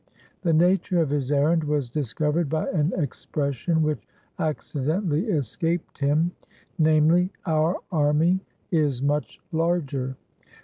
The nature of his errand was discovered by an expression which accidentally escaped him, namely, ' Our army is much larger.'